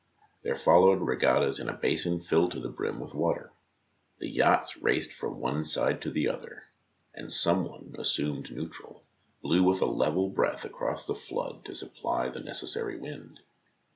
There followed regattas in a basin filled to the "brim with water. The yachts raced from one side to the other, and some one, assumed neutral, blew with a level breath across the flood to supply the necessary wind.